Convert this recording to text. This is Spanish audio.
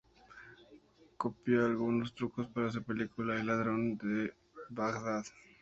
Copió algunos trucos para su película "El ladrón de Bagdad".